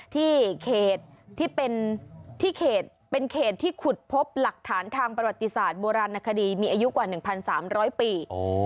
ที่เป็นเขตที่ขุดพบหลักฐานทางประวัติศาสตร์โบราณนักคดีมีอายุกว่าหนึ่งพันสามร้อยปี